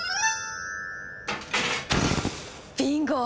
ビンゴ！